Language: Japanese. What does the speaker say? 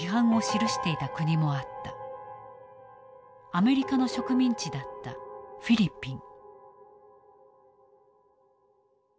アメリカの植民地だったフィリピン。